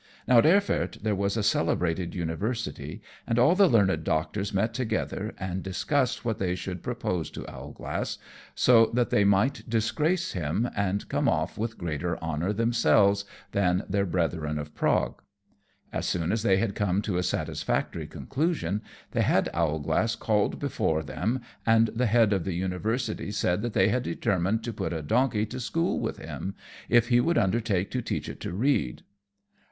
Now, at Erfurt there was a celebrated university, and all the learned doctors met together and discussed what they should propose to Owlglass, so that they might disgrace him, and come off with greater honor, themselves, than their brethren of Prague. As soon as they had come to a satisfactory conclusion, they had Owlglass called before them, and the head of the university said that they had determined to put a donkey to school with him, if he would undertake to teach it to read.